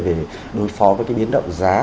về đối phó với cái biến động giá